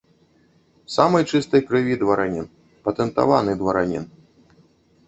Самай чыстай крыві дваранін, патэнтаваны дваранін.